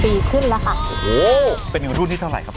น้องลายเป็นเจ็บที่สองครับ